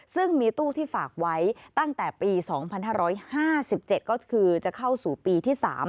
ซึ่งมีตู้ที่ฝากไว้ตั้งแต่ปี๒๕๕๗ก็คือจะเข้าสู่ปีที่๓